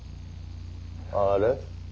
あれ？